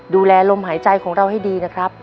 ลมหายใจของเราให้ดีนะครับ